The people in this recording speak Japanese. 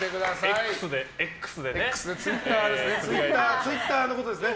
ツイッターのことですね。